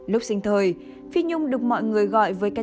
lúc sinh thời phi nhung được mọi người gọi với các tên là